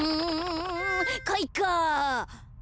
うんかいか！